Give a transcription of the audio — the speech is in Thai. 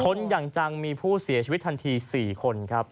ชนอย่างจังมีผู้เสียชีวิตทันที๔คนครับ